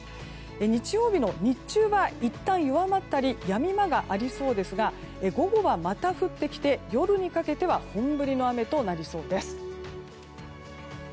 日曜日の日中はいったん弱まったりやみ間がありそうですが午後は、また降ってきて夜にかけては本降りの雨となりそうです。